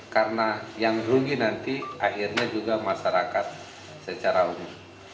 karena yang rugi nanti akhirnya juga masyarakat secara umum